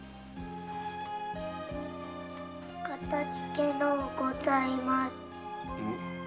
かたじけのうございます。